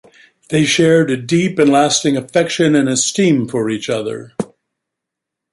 They shared a deep and lasting affection and esteem for each other.